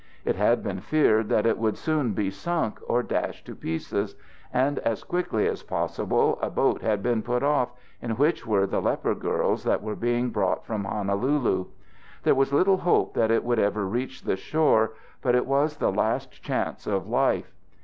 It had been feared that it would soon be sunk or dashed to pieces, and as quickly as possible a boat had been put off, in which were the leper girls that were being brought from Honolulu. There was little hope that it would ever reach the shore, but it was the last chance of life.